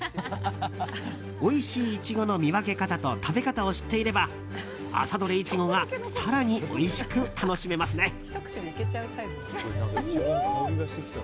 おいしいイチゴの見分け方と食べ方を知っていれば朝どれイチゴが更においしく楽しめますね。